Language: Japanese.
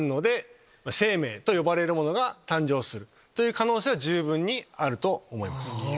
可能性は十分にあると思います。